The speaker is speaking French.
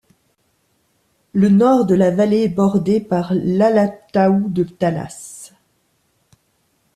Le nord de la vallée est bordé par l'Alataou de Talas.